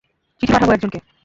চিঠি পাঠাবো একজনকে।